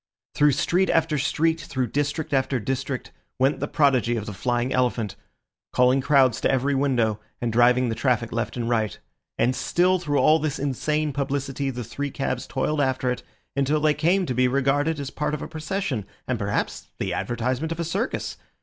Through street after street, through district after district, went the prodigy of the flying elephant, calling crowds to every window, and driving the traffic left and right. And still through all this insane publicity the three cabs toiled after it, until they came to be regarded as part of a procession, and perhaps the advertisement of a circus.